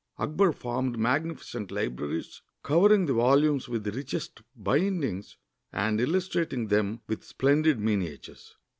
Akbar formed magnificent libraries, cover ing the volumes with the richest bindings and illustrating them with splendid miniatures.